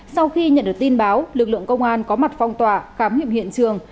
sau khi nhận được tin báo lực lượng công an có mặt phong tỏa khám nghiệm hiện trường